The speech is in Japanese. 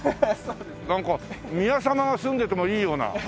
なんか宮様が住んでてもいいような。